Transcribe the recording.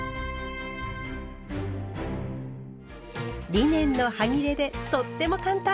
リネンのはぎれでとっても簡単！